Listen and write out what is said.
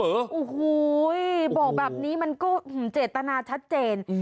โอ้โหบอกแบบนี้มันก็เจตนาชัดเจน